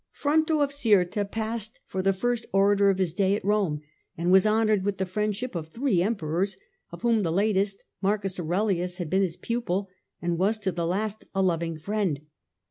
Fronto of Cirta passed for the first orator of his day at Rome, and was honoured with the friendship of three like Fronto ^^P^^ors, of whom the latest, Marcus Aure lius, had been his pupil, and was to the last a loving friend.